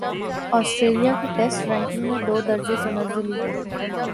Australia کی test ranking میں دو درجہ تنزلی